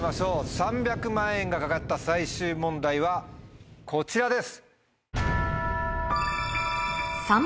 ３００万円が懸かった最終問題はこちらです。